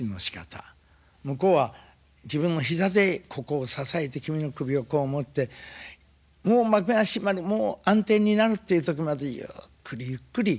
向こうは自分も膝でここを支えて君の首をこう持ってもう幕が閉まるもう暗転になるっていうとこまでゆっくりゆっくり。